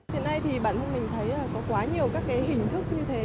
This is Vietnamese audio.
hiện nay thì bản thân mình thấy có quá nhiều các cái hình thức như thế